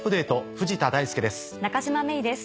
藤田大介です。